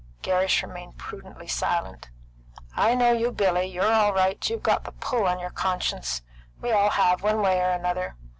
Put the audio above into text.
Gerrish remained prudently silent. "I know you, Billy. You're all right. You've got the pull on your conscience; we all have, one way or another.